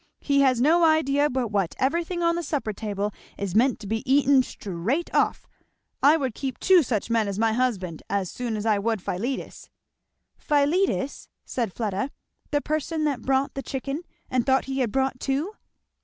"He has no idea but what everything on the supper table is meant to be eaten straight off. I would keep two such men as my husband as soon as I would Philetus." "Philetus!" said Fleda, "the person that brought the chicken and thought he had brought two?"